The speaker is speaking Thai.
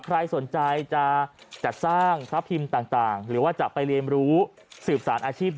ใครสนใจจะจัดสร้างพระพิมพ์ต่างหรือว่าจะไปเรียนรู้สืบสารอาชีพ